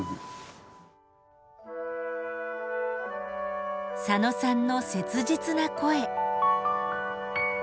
佐野さんの切実な声。